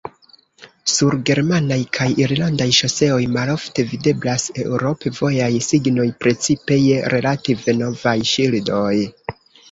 Sur germanaj kaj irlandaj ŝoseoj malofte videblas eŭrop-vojaj signoj, precipe je relative novaj ŝildoj.